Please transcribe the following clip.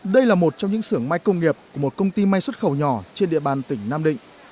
đây là một trong những xưởng may công nghiệp của một công ty may xuất khẩu nhỏ trên địa bàn tỉnh nam định